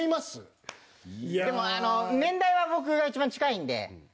でも年代は僕がいちばん近いんで。